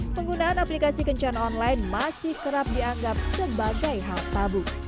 penggunaan aplikasi kencan online masih kerap dianggap sebagai hal tabu